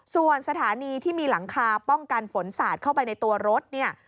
ส่วนสถานีที่มีหลังคาป้องกันฝนสาดเข้าไปในตัวรถเนี่ย